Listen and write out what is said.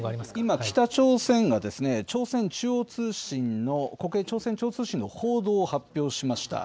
今、北朝鮮がですね、朝鮮中央通信の、国営朝鮮中央通信の報道を発表しました。